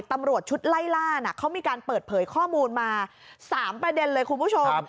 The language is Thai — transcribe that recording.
ตำรวจชุดไล่ล่าเขามีการเปิดเผยข้อมูลมา๓ประเด็นเลยคุณผู้ชม